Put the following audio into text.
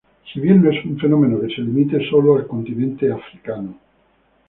Si bien no es un fenómeno que se limite solo al continente africano.